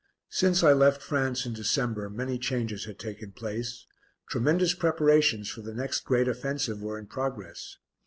Since I left France in December many changes had taken place; tremendous preparations for the next great offensive were in progress.